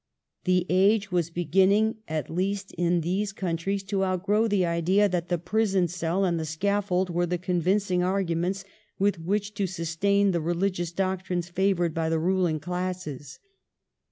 The age was beginning, at least in these countries, to outgrow the idea that the prison cell and the scaffold were the convincing arguments with which to sustain the religious doctrines favoured by the ruUng classes.